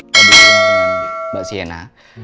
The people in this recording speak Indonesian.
lebih dengan mbak sienna